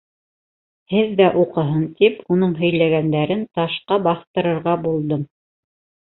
Һеҙ ҙә уҡыһын тип, уның һөйләгәндәрен ташҡа баҫтырырға булдым.